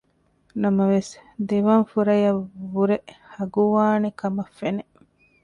ނަމަވެސް ދެވަން ފުރަޔަށް ވުރެ ހަގުވާނެކަމަށް ފެނެ